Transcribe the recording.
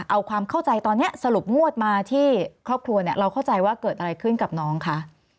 เอาความเข้าใจตอนนี้สรุปงวดมาที่ครอบครัวเนี่ยเราเข้าใจว่าเกิดอะไรขึ้นกับน้องคะ